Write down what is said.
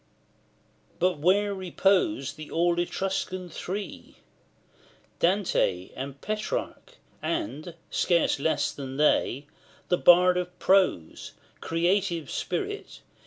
LVI. But where repose the all Etruscan three Dante, and Petrarch, and, scarce less than they, The Bard of Prose, creative spirit!